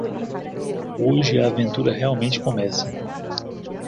Hoje a aventura realmente começa.